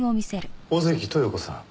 小関豊子さん